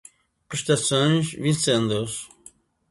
prestações vincendas